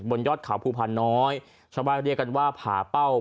บนยอดเขาภูพาน้อยชาวบ้านเรียกกันว่าผาเป้า